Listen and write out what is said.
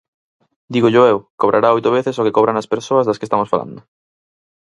Dígollo eu: cobrará oito veces o que cobran as persoas das que estamos falando.